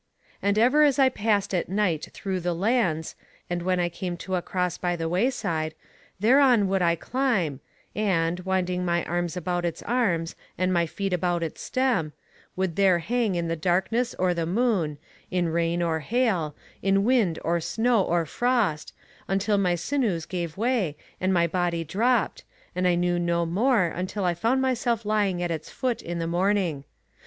"'And ever as I passed at night through the lands, when I came to a cross by the wayside, thereon would I climb, and, winding my arms about its arms and my feet about its stem, would there hang in the darkness or the moon, in rain or hail, in wind or snow or frost, until my sinews gave way, and my body dropped, and I knew no more until I found myself lying at its foot in the morning.